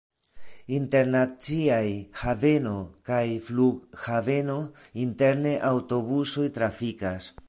Internaciaj haveno kaj flughaveno, interne aŭtobusoj trafikas.